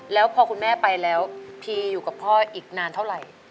แล้วพอคุณแม่ไปแล้วพีอยู่กับพ่ออีกนานเท่าไหร่